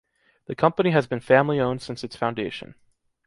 The company has been family owned since its foundation.